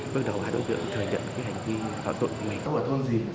bước đầu hai đối tượng thừa nhận hành vi thỏa thuận của mình